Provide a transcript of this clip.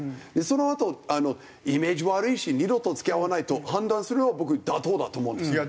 そのあとイメージ悪いし二度と付き合わないと判断するのは僕妥当だと思うんですよ。